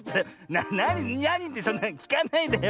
なにってそんなきかないでよ。